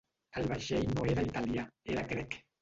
El vaixell no era italià, era grec.